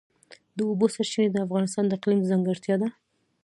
د اوبو سرچینې د افغانستان د اقلیم ځانګړتیا ده.